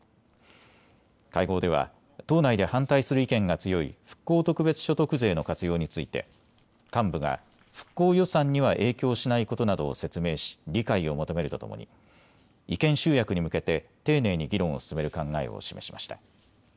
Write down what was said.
会合では党内で反対する意見が強い復興特別所得税の活用について幹部が復興予算には影響しないことなどを説明し理解を求めるとともに意見集約に向けて丁寧に議論を進める考えを示しました。